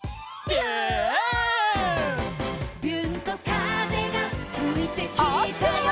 「びゅーんと風がふいてきたよ」